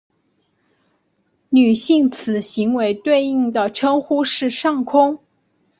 女性此行为对应的称呼是上空。